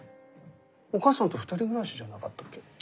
お母さんと２人暮らしじゃなかったっけ？